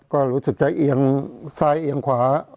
ก็รู้สึกจะเอียงซ้ายเอียงขวา